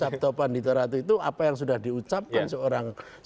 sabdo panditoratu itu apa yang sudah diucapkan seorang pemimpin